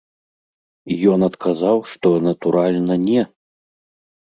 Ён адказаў, што, натуральна, не.